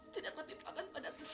tidak kutipkan padaku saja